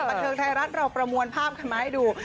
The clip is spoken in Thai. บันเทิงไทยรัฐเราประมวลภาพกันมาให้ดู